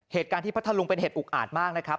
เหตุการณ์ที่พัทธลุงเป็นเหตุอุกอาจมากนะครับ